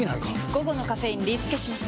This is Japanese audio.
午後のカフェインリスケします！